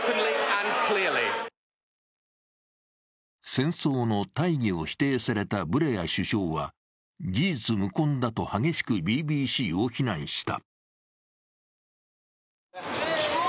戦争の大義を否定されたブレア首相は、事実無根だと激しくＢＢＣを非難した。